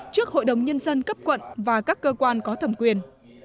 trước hội đồng nhân dân cấp quận và các cơ quan có thẩm quyền